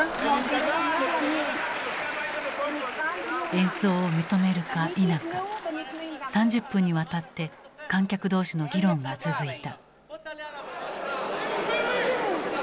演奏を認めるか否か３０分にわたって観客同士の議論が続いた。